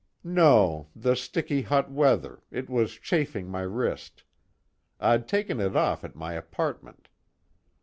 "No, the sticky hot weather, it was chafing my wrist I'd taken it off at my apartment.